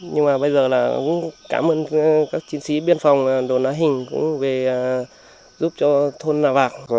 nhưng mà bây giờ là cũng cảm ơn các chiến sĩ biên phòng đồn ná hình cũng về giúp cho thôn nà vạc